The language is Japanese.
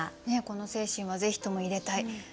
ねえこの精神はぜひとも入れたい。